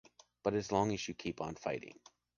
But as long as you keep on fighting.